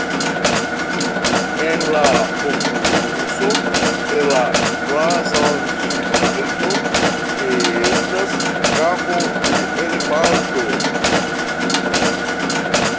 En la fokuso de la blazonŝildo estas kapo de elefanto.